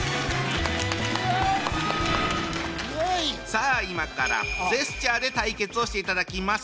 さあ今からジェスチャーで対決をしていただきます。